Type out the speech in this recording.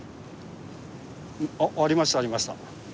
あありましたありました。